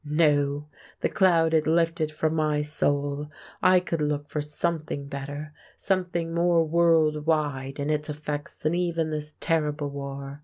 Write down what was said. No, the cloud had lifted from my soul; I could look for something better, something more world wide in its effects than even this terrible war.